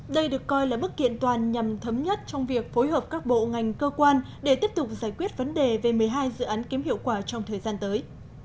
đây được coi là bức kiện toàn nhằm thấm nhất trong việc phối hợp các bộ ngành cơ quan để tiếp tục giải quyết vấn đề về một mươi hai dự án kém hiệu quả trong thời gian tới